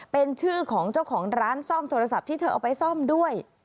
เป็นชื่อของเจ้าของร้านซ่อมโทรศัพท์ที่เธอเอาไปซ่อมด้วย